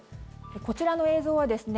こちらの映像はですね